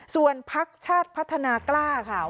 ส่วนพักชาติพัฒนากล้าค่ะ